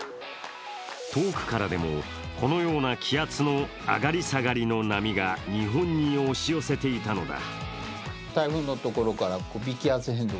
遠くからでも、このような気圧の上がり下がりの波が日本に押し寄せていたのだ。